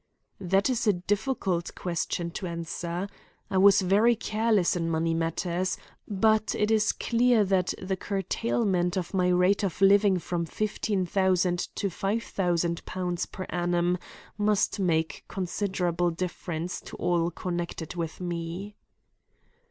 "That is a difficult question to answer. I was very careless in money matters, but it is clear that the curtailment of my rate of living from £15,000 to £5,000 per annum must make considerable difference to all connected with me."